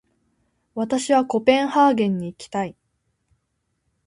私はコペンハーゲンに行きたい。